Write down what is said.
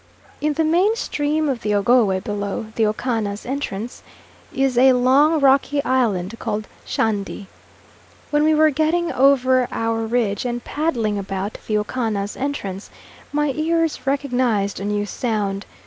In the main stream of the Ogowe below the Okana's entrance, is a long rocky island called Shandi. When we were getting over our ridge and paddling about the Okana's entrance my ears recognised a new sound.